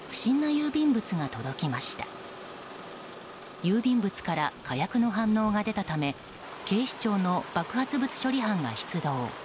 郵便物から火薬の反応が出たため警視庁の爆発物処理班が出動。